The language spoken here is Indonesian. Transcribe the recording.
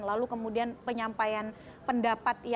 lalu kemudian penyampaian pendapat yang berbeda